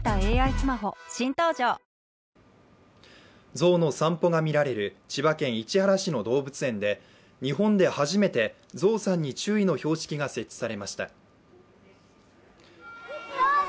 ゾウの散歩が見られる千葉県市原市の動物園で日本で初めて「ぞうさんに注意」の標識が設置されました。